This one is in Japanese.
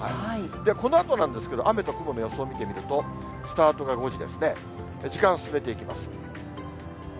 このあとなんですけど、雨と雲の予想を見てみると、スタートが５時ですね、時間進めていきます。